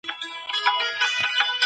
هغه په لاره کي روان و.